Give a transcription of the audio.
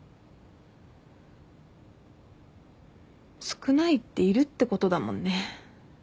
少ないっているってことだもんね。